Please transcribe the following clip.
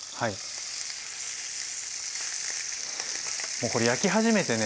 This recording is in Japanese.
もうこれ焼き始めてね